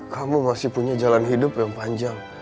kamu masih punya jalan hidup yang panjang